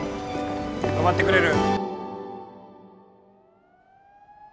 止まってくれる？